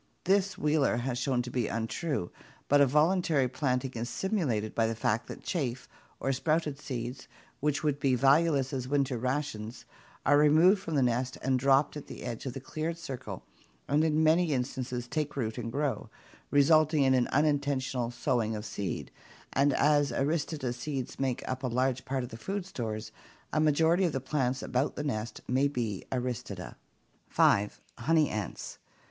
This Wheeler has shown to be untrue, but a voluntary planting is simulated by the fact that chaff or sprouted seeds, which would be valueless as winter rations, are removed from the nest and dropped at the edge of the cleared circle and in many instances take root and grow, resulting in an unintentional sowing of seed, and as Aristida seeds make up a large part of the food stores, a majority of the plants about the nest may be Aristida. 5. Honey ants.